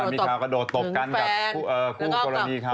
มีข่าวกระโดดตบกันกับคู่กรณีเขา